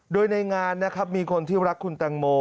โดยในงานนะครับมีคนที่รักคุณแตงโม